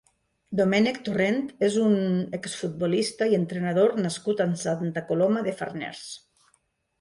Domènec Torrent és un exfutbolista i entrenador nascut a Santa Coloma de Farners.